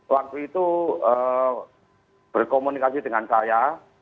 waktu itu berkomunikasi dengan saya